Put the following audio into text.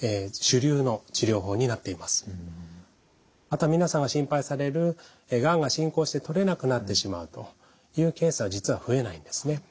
また皆さんが心配されるがんが進行して取れなくなってしまうというケースは実は増えないんですね。